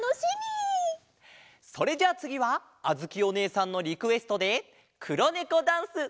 それじゃあつぎはあづきおねえさんのリクエストで「黒ネコダンス」！